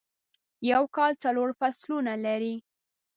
یوکال څلورفصلونه لري ..